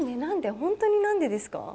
本当に何でですか？